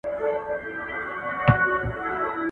که قدرت سم ونه کارول سي خلک به زيانمن سي.